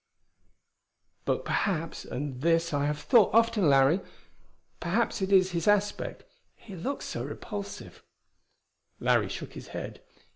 "But perhaps and this I have often thought, Larry perhaps it is his aspect. He looks so repulsive " Larry shook his head.